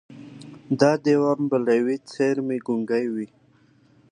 دا دېوان به له ېوې څېرمې ګونګي وي